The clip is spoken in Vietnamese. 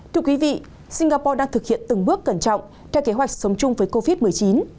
thưa quý vị singapore đang thực hiện từng bước cẩn trọng theo kế hoạch sống chung với covid một mươi chín